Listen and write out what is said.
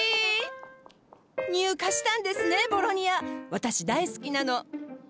私大好きなの。